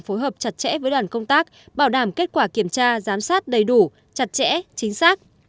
phối hợp chặt chẽ với đoàn công tác bảo đảm kết quả kiểm tra giám sát đầy đủ chặt chẽ chính xác